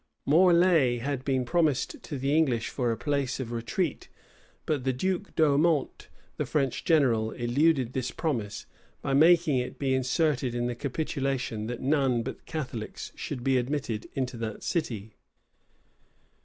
Morlaix had been promised to the English for a place of retreat; but the duke d'Aumont, the French general, eluded this promise, by making it be inserted in the capitulation that none but Catholics should be admitted into that city.